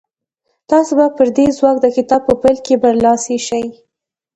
تاسې به پر دې ځواک د کتاب په پيل کې برلاسي شئ.